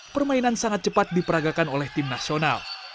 permainan sangat cepat diperagakan oleh tim nasional